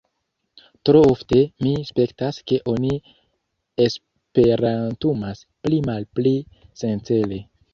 Tro ofte, mi spertas ke oni esperantumas pli-malpli sencele.